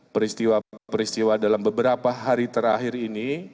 peristiwa peristiwa dalam beberapa hari terakhir ini